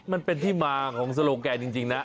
มันเป็นที่มาของโซโลแกนจริงนะ